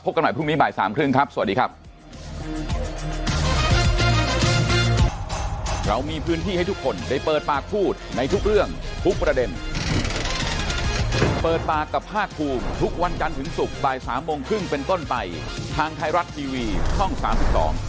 กันใหม่พรุ่งนี้บ่ายสามครึ่งครับสวัสดีครับ